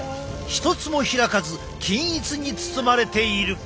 一つも開かず均一に包まれている。